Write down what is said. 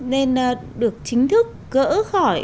nên được chính thức gỡ khỏi